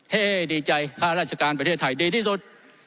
ดีใจค่าราชการประเทศไทยดีที่สุด